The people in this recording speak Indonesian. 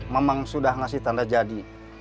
memang sudah ngasih tanda jadi